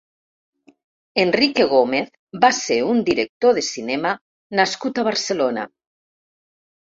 Enrique Gómez va ser un director de cinema nascut a Barcelona.